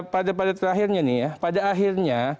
pada pada terakhirnya nih ya pada akhirnya